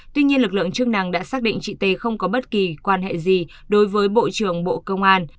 tuy nhiên lực lượng chức năng đã xác định chị t không có bất kỳ quan hệ gì đối với bộ trưởng bộ công an